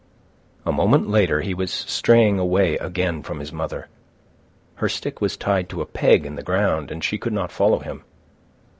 A moment later he was straying away again from his mother. Her stick was tied to a peg in the ground and she could not follow him.